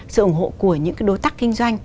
sự ủng hộ của những cái đối tác kinh doanh